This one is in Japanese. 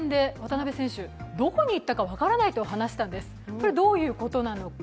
これ、どういうことなのか